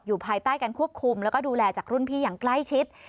ภายใต้การควบคุมแล้วก็ดูแลจากรุ่นพี่อย่างใกล้ชิด